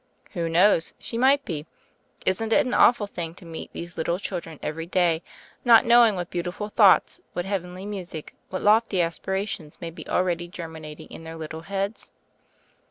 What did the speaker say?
"Who knows? She might be. Isn't it an awful thing to meet these little children every day, not knowing what beautiful thoughts, what heavenly music, what lofty aspirations may be already germinating in their little heads?"